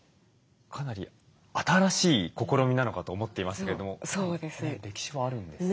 かなり新しい試みなのかと思っていましたけども歴史はあるんですね。